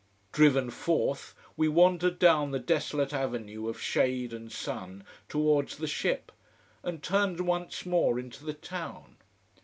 Driven forth, we wandered down the desolate avenue of shade and sun towards the ship, and turned once more into the town.